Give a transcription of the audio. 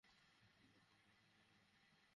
ওরা বলল, ভীত হয়ো না।